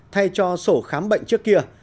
thay cho sổ khám bệnh trước kia